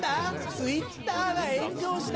Ｔｗｉｔｔｅｒが炎上した？